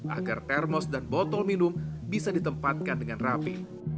agar termos dan botol minum bisa ditempatkan dengan rapi